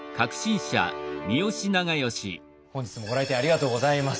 本日もご来店ありがとうございます。